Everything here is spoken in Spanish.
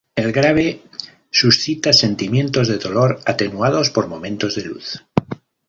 El Grave suscita sentimientos de dolor atenuados por momentos de luz.